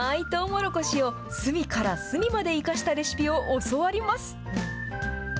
もろこしを隅から隅まで生かしたレシピを教わります。